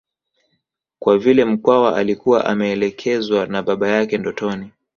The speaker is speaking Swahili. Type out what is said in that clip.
Kwa vile Mkwawa alikuwa ameelekezwa na baba yake ndotoni